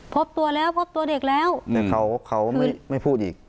พบตัวแล้วพบตัวเด็กแล้วแต่เขาเขาไม่พูดอีก